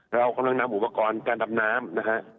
เรากำลังนำอุปกรณ์การดำน้ำนะฮะ